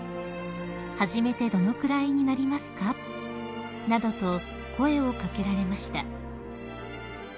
「始めてどのくらいになりますか？」などと声を掛けられました］